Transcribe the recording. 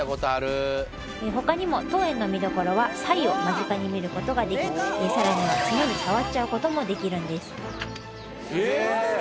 他にも当園の見どころはサイを間近に見ることができさらにはツノに触っちゃうこともできるんです